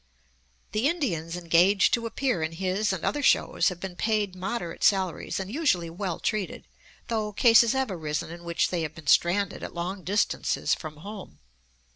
The Indians engaged to appear in his and other shows have been paid moderate salaries and usually well treated, though cases have arisen in which they have been stranded at long distances from home.